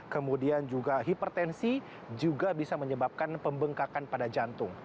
kemudian juga hipertensi juga bisa menyebabkan pembengkakan pada jantung